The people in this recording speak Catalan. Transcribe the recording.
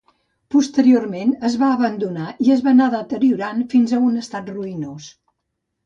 Posteriorment es va abandonar i es va anar deteriorant fins a un estat ruïnós.